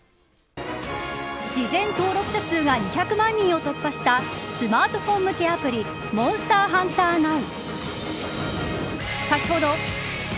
事前登録者数が２００万人を突破したスマートフォン向けアプリモンスターハンターＮｏｗ。